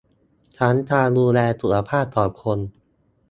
ทั้งการดูแลสุขภาพของคน